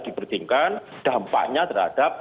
dipertingkan dampaknya terhadap